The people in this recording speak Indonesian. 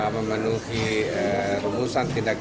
memenuhi rumusan penyelidikan